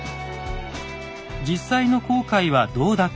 実際の航海はどうだったのか。